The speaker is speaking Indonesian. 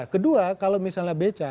kedua kalau misalnya beca